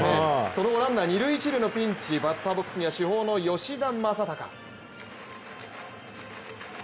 そのランナー二塁・一塁のピンチ、バッターボックスには主砲の吉田正尚。